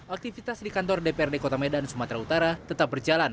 aktivitas di kantor dprd kota medan sumatera utara tetap berjalan